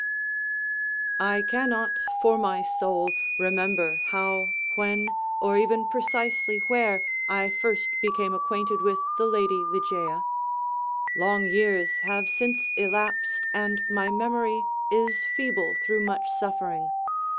I cannot, for my soul, remember how, when, or even precisely where, I first became acquainted with the lady Ligeia. Long years have since elapsed, and my memory is feeble through much suffering.